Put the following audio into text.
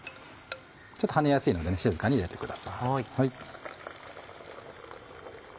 ちょっとはねやすいので静かに入れてください。